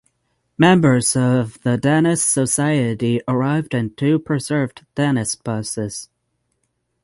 Members of the Dennis Society arrived in two preserved Dennis buses.